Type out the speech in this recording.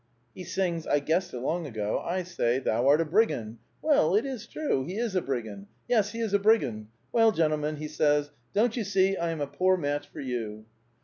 " He sings, ' I guessed it long ago.' I say, • Thou art a brigand.' Well, it is true ; he is a brigand. Yes, he is a brigand. Well, gentlemen, he says, ' Don't you see I am a poor match for you